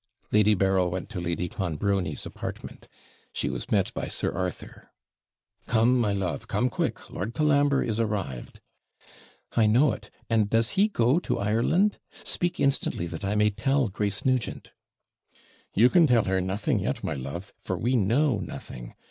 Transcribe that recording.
Lady Berryl went to Lady Clonbrony's apartment; she was met by Sir Arthur. 'Come, my love! come quick! Lord Colambre is arrived.' 'I know it; and does he go to Ireland? Speak instantly, that I may tell Grace Nugent.' 'You can tell her nothing yet, my love; for we know nothing.